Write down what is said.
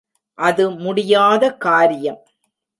அது முடியாத காரியம்.